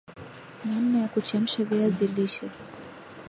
namna ya kuchemsha viazi lishe